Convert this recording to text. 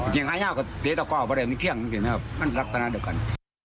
เกงคาย่าวกับเอิริตรโกครับไปเลยงั้นมันรักษณะเดียวกัน